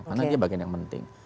karena dia bagian yang penting